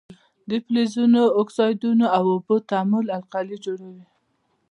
د فلزونو د اکسایدونو او اوبو تعامل القلي جوړوي.